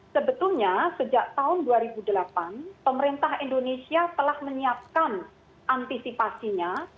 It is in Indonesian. sebetulnya sejak tahun dua ribu delapan pemerintah indonesia telah menyiapkan antisipasinya